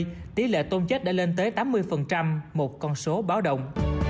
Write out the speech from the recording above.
tại huyện âu minh tỷ lệ tôm chết đã lên tới tám mươi một con số báo đồng